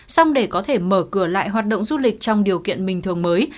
xong để có thể mở cửa lại hoạt động du lịch trong điều kiện bình thường mới